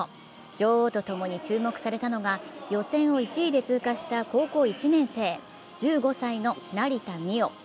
女王と共に注目されたのが、予選を１位で通過した高校１年生、１５歳の成田実生。